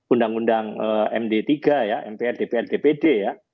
undang undang md tiga ya mpr dpr dpd ya